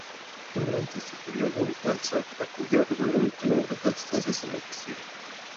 Fue durante este período cuando Balzac acudía regularmente a numerosas estancias en el castillo.